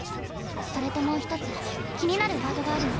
それともう一つ気になるワードがあるの。